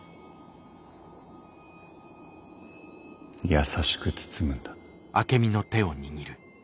優しく包むんだ。